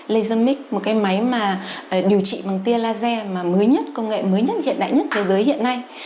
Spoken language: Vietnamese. lasermic một cái máy mà điều trị bằng tia laser mà mới nhất công nghệ mới nhất hiện đại nhất thế giới hiện nay